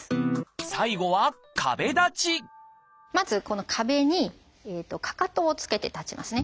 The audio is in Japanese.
最後はまずこの壁にかかとをつけて立ちますね。